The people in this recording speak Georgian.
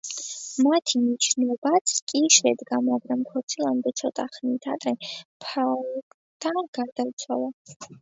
მათი ნიშნობაც კი შედგა, მაგრამ ქორწილამდე ცოტა ხნით ადრე მაფალდა გარდაიცვალა.